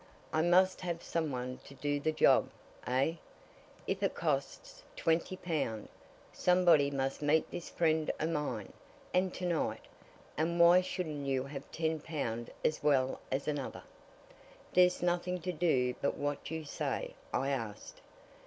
"I must have some one to do the job aye, if it costs twenty pound! Somebody must meet this friend o' mine, and tonight and why shouldn't you have ten pound as well as another?" "There's nothing to do but what you say?" I asked.